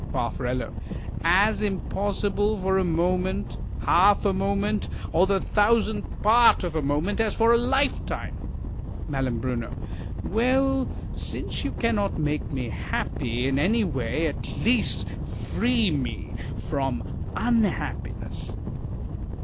Far. As impossible for a moment, half a moment, or the thousandth part of a moment, as for a lifetime. 3Ial. Well, since you cannot make me happy in any way, at least free me from unhappiness.